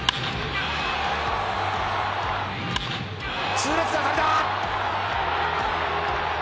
痛烈な当たりだ！